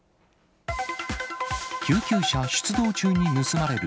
救急車出動中に盗まれる。